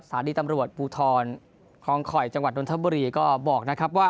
สถานีตำรวจภูทรคลองคอยจังหวัดนทบุรีก็บอกนะครับว่า